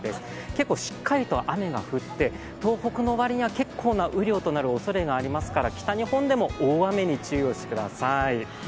結構しっかりと雨が降って東北の割りには結構な雨量となるおそれがありますから北日本でも大雨に注意をしてください。